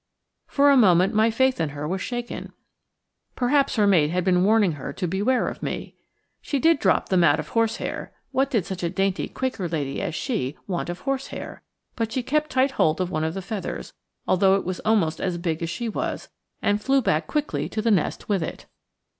For a moment my faith in her was shaken. Perhaps her mate had been warning her to beware of me. She did drop the mat of horsehair what did such a dainty Quaker lady as she want of horsehair? but she kept tight hold of one of the feathers, although it was almost as big as she was; and flew back quickly to the nest with it.